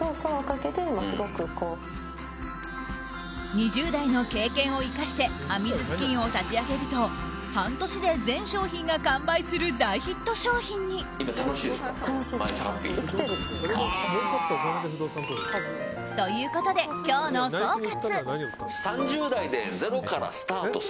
２０代の経験を生かしてａｍｉｓｓｋｉｎを立ち上げると半年で全商品が完売する大ヒット商品に。ということで今日の総括。